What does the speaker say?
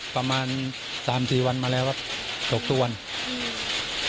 ประมาณสามสี่วันมาแล้วครับตกทุกวันอืม